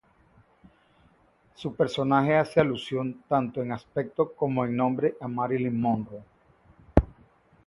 Su personaje hace alusión tanto en aspecto como en nombre a Marilyn Monroe.